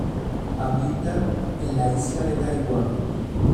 Habita en la Isla de Taiwán.